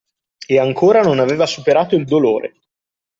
E ancora non aveva superato il dolore